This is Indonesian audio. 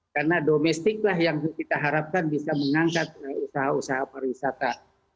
karena domestik lah yang kita harapkan bisa mengangkat usaha usaha pariwisata